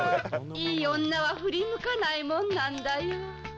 いい女は振り向かないもんなんだよ。